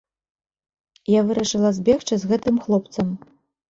Я вырашыла збегчы з гэтым хлопцам.